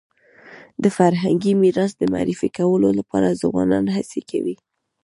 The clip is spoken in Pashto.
د فرهنګي میراث د معرفي کولو لپاره ځوانان هڅي کوي.